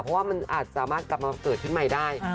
เพราะว่ามันอาจสามารถกลับมาเกิดขึ้นใหม่ได้